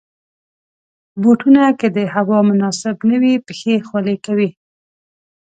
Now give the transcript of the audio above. بوټونه که د هوا مناسب نه وي، پښې خولې کوي.